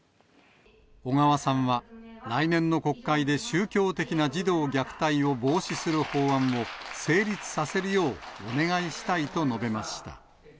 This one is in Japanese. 小川さんは、来年の国会で宗教的な児童虐待を防止する法案を成立させるようお願いしたいと述べました。